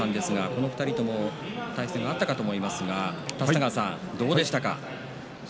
この２人とも対戦があったかと思いますがどうでしたか？